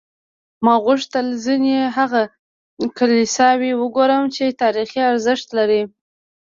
ما غوښتل ځینې هغه کلیساوې وګورم چې تاریخي ارزښت لري.